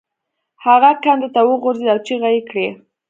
هغه کندې ته وغورځید او چیغې یې کړې.